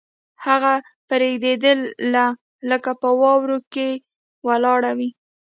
هغه به رېږدېدله لکه په واورو کې ولاړه وي